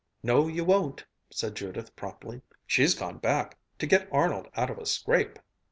"No, you won't," said Judith promptly. "She's gone back. To get Arnold out of a scrape."